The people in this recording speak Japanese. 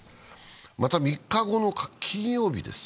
また３日後の金曜日です。